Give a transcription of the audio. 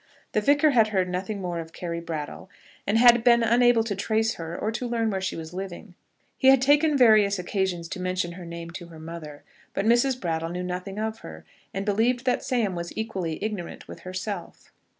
The Vicar had heard nothing more of Carry Brattle, and had been unable to trace her or to learn where she was living. He had taken various occasions to mention her name to her mother, but Mrs. Brattle knew nothing of her, and believed that Sam was equally ignorant with herself.